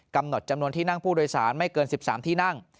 กำหนดจำนวนที่นั่งผู้โดยสารไม่เกิน๑๓ที่นั่ง